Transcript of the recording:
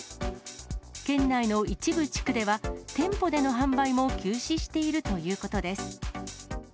県内の一部地区では、店舗での販売も休止しているということです。